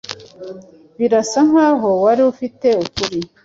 Birasa nkaho wari ufite ukuri.